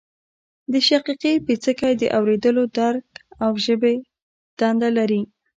د شقیقې پیڅکی د اوریدلو درک او ژبې دنده لري